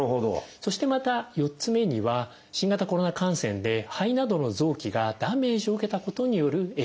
そしてまた４つ目には新型コロナ感染で肺などの臓器がダメージを受けたことによる影響と。